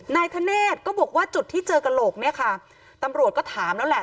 นายธเนธก็บอกว่าจุดที่เจอกระโหลกเนี่ยค่ะตำรวจก็ถามแล้วแหละ